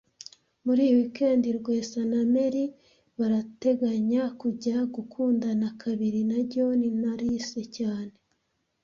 Muri iyi weekend Rwesa na Mary barateganya kujya gukundana kabiri na John na Alice cyane